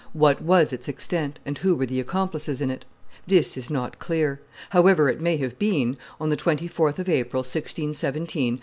What was its extent and who were the accomplices in it? This is not clear. However it may have been, on the 24th of April, 1617, M.